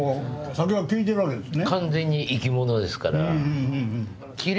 酒は聞いてるわけですね。